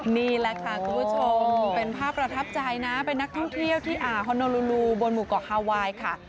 นี่แหละค่ะคุณผู้ชมเป็นภาพประทับใจนะเป็นนักท่องเที่ยวที่อ่าฮอนโนบนหมู่เกาะฮาไวน์ค่ะ